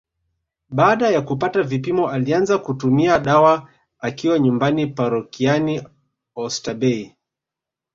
Baada ya kupata vipimo alianza kutumia dawa akiwa nyumbani parokiani ostabei